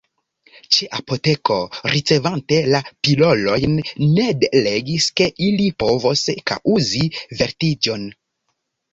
Ĉe apoteko, ricevante la pilolojn, Ned legis ke ili povos kaŭzi vertiĝon.